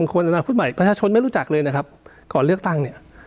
คนอนาคตใหม่ประชาชนไม่รู้จักเลยนะครับก่อนเลือกตั้งเนี่ย